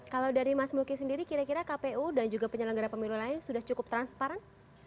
kalau dari mas mulki sendiri kira kira kpu dan juga penyelenggara pemilu lain sudah cukup transparan